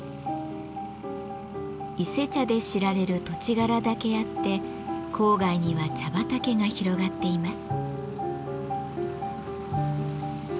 伊勢茶で知られる土地柄だけあって郊外には茶畑が広がっています。